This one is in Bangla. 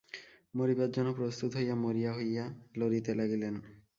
মরিবার জন্য প্রস্তুত হইয়া মরিয়া হইয়া লড়িতে লাগিলেন।